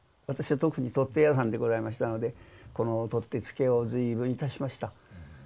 私は特に取っ手屋さんでございましたのでこの取っ手付けを随分いたしました。